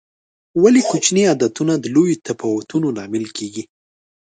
ولې کوچیني عادتونه د لویو تفاوتونو لامل کېږي؟